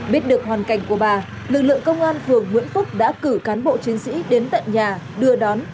biết được hoàn cảnh của bà lực lượng công an phường nguyễn phúc đã cử cán bộ chiến sĩ đến tận nhà đưa đón